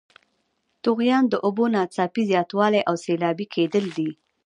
طغیان د اوبو ناڅاپي زیاتوالی او سیلابي کیدل دي.